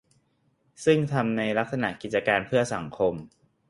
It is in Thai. ซึ่งทำในลักษณะกิจการเพื่อสังคม